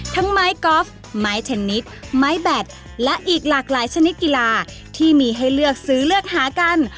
ทั้งไม้กอล์ฟไม้ชนิดไม้แบตและอีกหลากหลายชนิดกีฬาที่มีให้เลือกซื้อเลือกหากัน